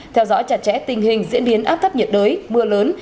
theo dõi chặt chẽ tình hình diễn biến áp thấp nhiệt đới mưa lớn